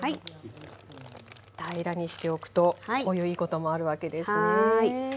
平らにしておくとこういういいこともあるわけですね。